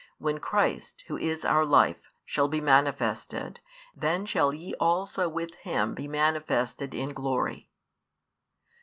When Christ, Who is our life, shall be manifested, then shall ye also with Him be manifested in glory.